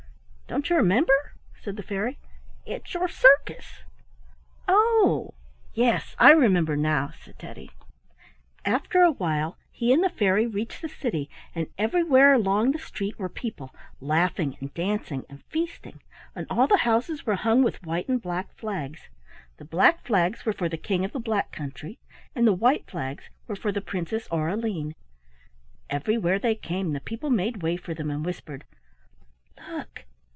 "Don't you remember?" said the fairy. "It's your circus." "Oh, yes, I remember now," said Teddy. After a while he and the fairy reached the city, and everywhere along the street were people laughing and dancing and feasting, and all the houses were hung with white and black flags. The black flags were for the King of the Black Country, and the white flags were for the Princess Aureline. Everywhere they came the people made way for them and whispered, "Look!